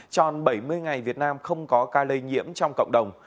tròn bảy mươi ngày việt nam không có ca lây nhiễm trong cộng đồng